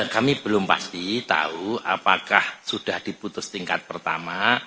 kami belum pasti tahu apakah sudah diputus tingkat pertama